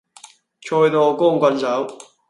財到光棍手